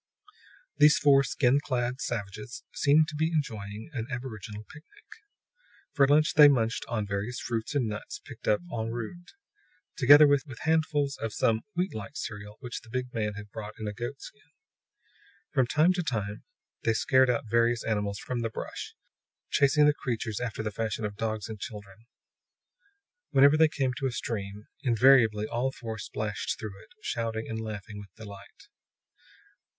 These four skin clad savages seemed to be enjoying an aboriginal picnic. For lunch, they munched on various fruits and nuts picked up en route, together with handfuls of some wheatlike cereal which the big man had brought in a goatskin. From time to time they scared out various animals from the brush, chasing the creatures after the fashion of dogs and children. Whenever they came to a stream, invariably all four splashed through it, shouting and laughing with delight.